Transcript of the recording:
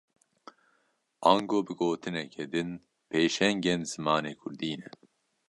Ango bi gotineke din, pêşengên zimanê Kurdî ne